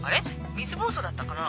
水ぼうそうだったかな。